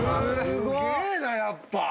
すげぇなやっぱ。